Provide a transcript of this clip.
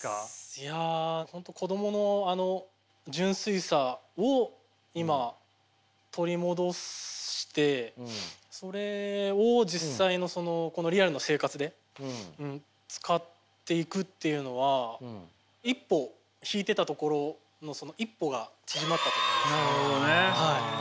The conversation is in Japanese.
いや本当に子供の純粋さを今取り戻してそれを実際のリアルの生活で使っていくっていうのは一歩引いてたところのその一歩が縮まったと思いますね。